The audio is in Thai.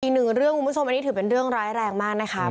อีกหนึ่งเรื่องคุณผู้ชมอันนี้ถือเป็นเรื่องร้ายแรงมากนะคะ